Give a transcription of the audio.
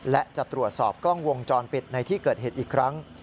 และจะตรวจสอบกล้องวงจรปิดในที่เกิดเหตุอีกครั้ง